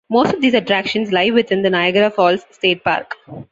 Most of these attractions lie within the Niagara Falls State Park.